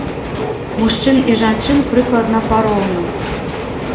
Мужчын і жанчын прыкладна пароўну.